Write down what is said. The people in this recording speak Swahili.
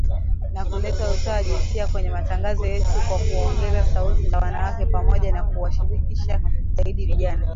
Na kuleta usawa wa jinsia kwenye matangazo yetu kwa kuongeza sauti za wanawake, pamoja na kuwashirikisha zaidi vijana